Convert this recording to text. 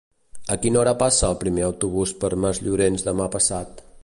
A quina hora passa el primer autobús per Masllorenç demà passat?